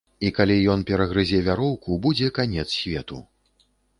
І, калі ён перагрызе вяроўку, будзе канец свету.